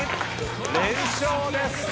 連勝です。